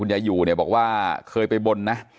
ยายอยู่เนี่ยบอกว่าเคยไปบนนะ